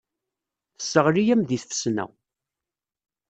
Tesseɣli-am deg tfesna.